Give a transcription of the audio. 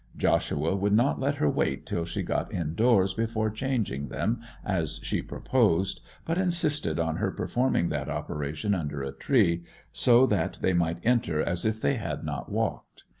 Joshua would not let her wait till she got indoors before changing them, as she proposed, but insisted on her performing that operation under a tree, so that they might enter as if they had not walked.